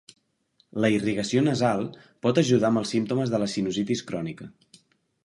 La irrigació nasal pot ajudar amb els símptomes de la sinusitis crònica.